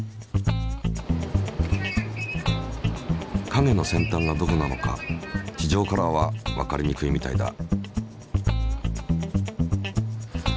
影の先端がどこなのか地上からはわかりにくいみたいだ。